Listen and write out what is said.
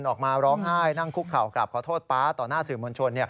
ออกมาร้องไห้นั่งคุกเข่ากราบขอโทษป๊าต่อหน้าสื่อมวลชน